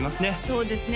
そうですね